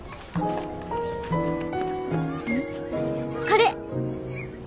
これ。